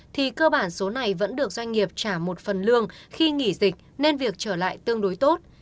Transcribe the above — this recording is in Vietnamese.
thì cơ bản số này vẫn được doanh nghiệp trả một phần lương khi nghỉ dịch nên việc trở lại tương đối tốt